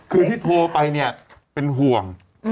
คือที่โทรไปเนี่ยเป็นห่วง